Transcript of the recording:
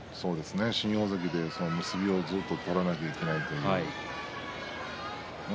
新大関で結びをずっと取らなきゃいけないというのはね